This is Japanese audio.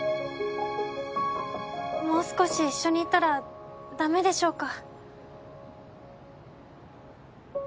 もう少し一緒にいたらダメでしょうか。